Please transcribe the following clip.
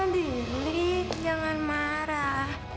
dili jangan marah